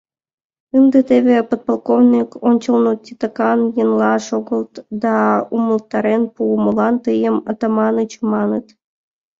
Ынде теве подполковник ончылно титакан еҥла шогылт да умылтарен пу: молан тыйым Атаманыч маныт...»